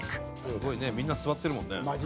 すごいねみんな座ってるもんね。